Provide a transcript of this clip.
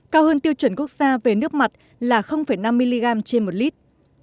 cao hơn tiêu chuẩn quốc gia về nước mặt là năm mg trên một lít